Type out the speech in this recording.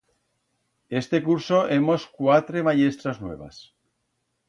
Este curso hemos cuatre mayestras nuevas.